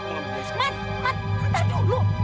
mas mas entar dulu